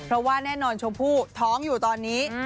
เพราะว่าแน่นอนชมพู่ท้องอยู่ตอนนี้